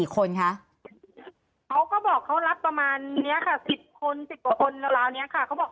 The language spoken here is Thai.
ตอนที่จะไปอยู่โรงเรียนนี้แปลว่าเรียนจบมไหนคะ